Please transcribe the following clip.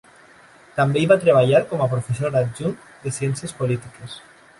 També hi va treballar com a professor adjunt de ciències polítiques.